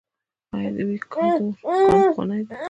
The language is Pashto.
آیا د ویکادور کان پخوانی دی؟